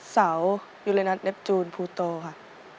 เสายุเรนัทเนปจูนพูโตค่ะ